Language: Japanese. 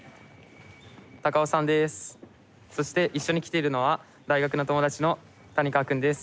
そして一緒に来ているのは大学の友達の谷川君です。